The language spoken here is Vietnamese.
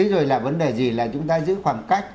rồi là vấn đề gì là chúng ta giữ khoảng cách